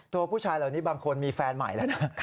ตัวผู้ชายเหล่านี้บางคนมีแฟนใหม่แล้วนะ